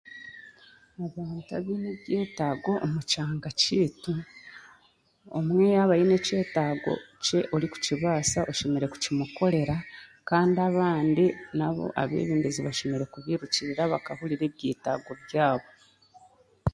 Abantu abine ebyetaago omu kyanga kyaitu omwe yaaba aine ekyetago kye orikukibaasa oshemereire kukimukorera kandi abandi abeebembezi bashemereire kubairukirira bakahurira ebyetaago byabo